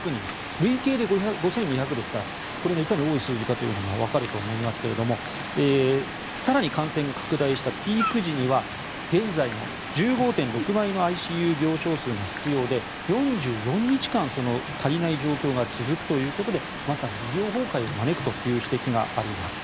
累計で５２００ですからこれがいかに多い数字かというのがわかると思いますが更に感染が拡大したピーク時には現在の１５．６倍のＩＣＵ病床数が必要で４４日間足りない状況が続くということでまさに医療崩壊を招くという指摘があります。